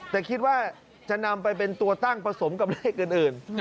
แต่คิดว่าจะนำไปเป็นตัวตั้งผสมกับเลขอื่น